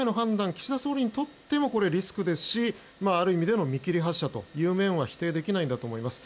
岸田総理にとってもリスクですしある意味での見切り発車という面は否定できないと思います。